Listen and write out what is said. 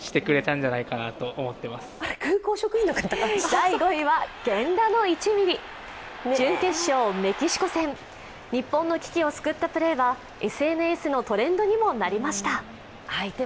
第５位は「源田の１ｍｍ」準決勝、メキシコ戦、日本の危機を救ったプレーはＳＮＳのトレンドにもなりました。